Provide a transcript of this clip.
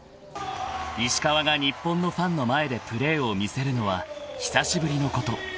［石川が日本のファンの前でプレーを見せるのは久しぶりのこと］